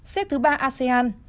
xếp thứ ba asean